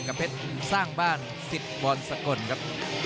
เพชรสร้างบ้านสิทธิ์บอลสกลครับ